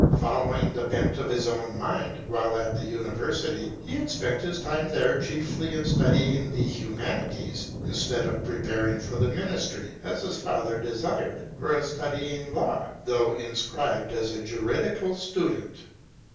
Following the bent of his own mind while at the university, he had spent his time there chiefly in studying the humanities, instead of pre paring for the ministry, as his father desired, or of studying law, though inscribed as a juridical student.